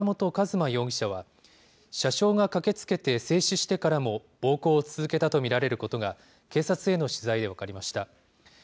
逮捕された飲食店従業員の宮本一馬容疑者は、車掌が駆けつけて制止してからも、暴行を続けたと見られることが、警察への取材で分かりました。